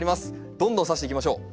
どんどん挿していきましょう。